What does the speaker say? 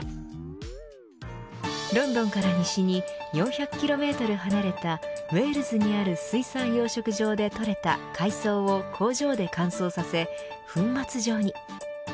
ロンドンから西に４００キロメートル離れたウェールズにある水産養殖場で採れた海藻を工場で乾燥させ粉末状に。